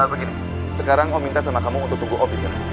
begini sekarang om minta sama kamu untuk tunggu om di sana